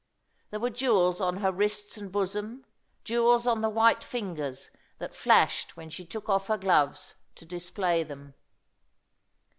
There were jewels on her wrists and bosom, jewels on the white fingers that flashed when she took off her gloves to display them.